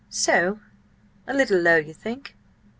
"So? A little low, you think?